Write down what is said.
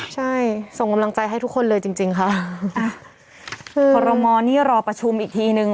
ใช่ส่งกำลังใจให้ทุกคนเลยจริงจริงค่ะอ่ะคือคอรมอนี่รอประชุมอีกทีนึง